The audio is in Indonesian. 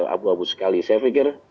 abu abu sekali saya pikir